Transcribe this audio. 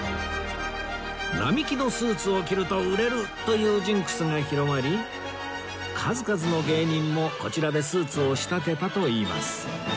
並木のスーツを着ると売れるというジンクスが広まり数々の芸人もこちらでスーツを仕立てたといいます